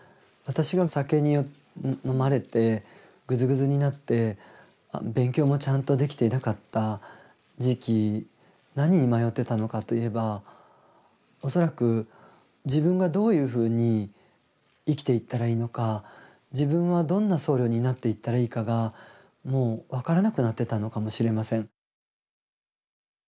私がお酒に飲まれてグズグズになって勉強もちゃんとできていなかった時期何に迷ってたのかといえば恐らく自分がどういうふうに生きていったらいいのか自分はどんな僧侶になっていったらいいかがもう分からなくなってたのかもしれません。